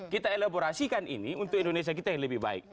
kita elaborasikan ini untuk indonesia kita yang lebih baik